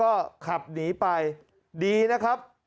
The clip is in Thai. แล้วคับหนีไปดีนะครับ